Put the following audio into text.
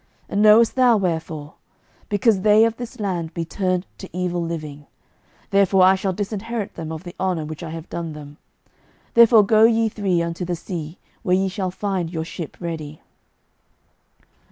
And knowest thou wherefore? Because they of this land be turned to evil living; therefore I shall disinherit them of the honour which I have done them. Therefore go ye three unto the sea, where ye shall find your ship ready."